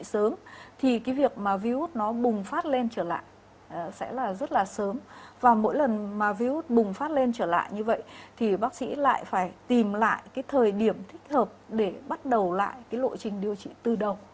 sớm thì cái việc mà virus nó bùng phát lên trở lại sẽ là rất là sớm và mỗi lần mà virus bùng phát lên trở lại như vậy thì bác sĩ lại phải tìm lại cái thời điểm thích hợp để bắt đầu lại cái lộ trình điều trị từ đầu